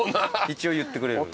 一応言ってくれる。